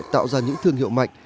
tạo ra những thương hiệu mạnh